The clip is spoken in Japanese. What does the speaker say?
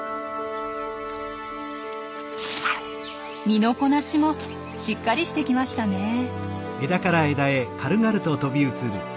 身のこなしもしっかりしてきましたねえ。